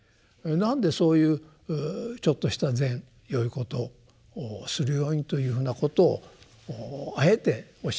なんでそういうちょっとした善よいことをするようにというふうなことをあえておっしゃっていたのか。